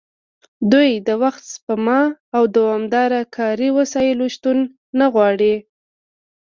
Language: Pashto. دوی د وخت سپما او دوامداره کاري وسایلو شتون نه غواړي